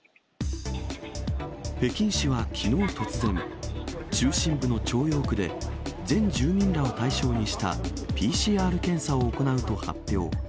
北京市はきのう突然、中心部の朝陽区で、全住民らを対象にしたＰＣＲ検査を行うと発表。